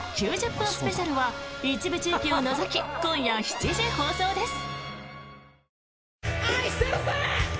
９０分スペシャルは一部地域を除き今夜７時放送です。